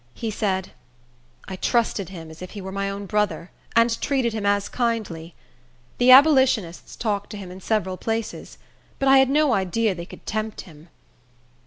He said, "I trusted him as if he were my own brother, and treated him as kindly. The abolitionists talked to him in several places; but I had no idea they could tempt him.